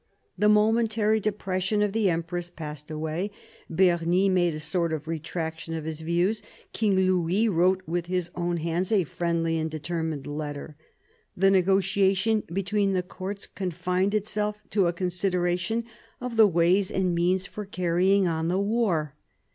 The momentary depression of the empress passed away; Bernis made a sort of retractation of his views; King Louis wrote with his own hands a friendly and determined letter. The negotiation between the courts confined itself to a con sideration of the ways and means for carrying on the war.